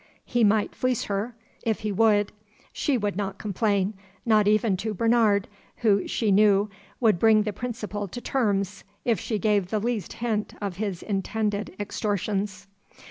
He might fleece her, if he would; she would not complain, not even to Bernard, who, she knew, would bring the Principal to terms, if she gave the least hint of his intended extortions.